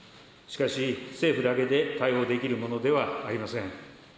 しかし、政府だけで対応できるものではありません。